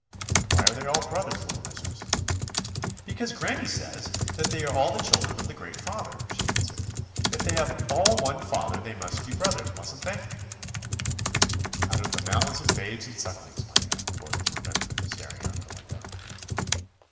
'Why are they all brothers, little mistress?' asked Reuben. 'Because granny says that they are all the children of the great Father,' she answered. 'If they have all one father they must be brothers, mustn't they?' 'Out of the mouths of babes and sucklings, Micah,' quoth Reuben, staring out of the window.